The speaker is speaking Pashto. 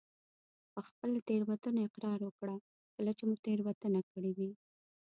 په خپله تېروتنه اقرار وکړه کله چې مو تېروتنه کړي وي.